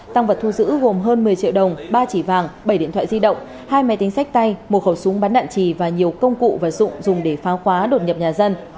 tăng vật thu giữ gồm hơn một mươi triệu đồng ba chỉ vàng bảy điện thoại di động hai máy tính sách tay một khẩu súng bắn đạn trì và nhiều công cụ và dụng dùng để phá khóa đột nhập nhà dân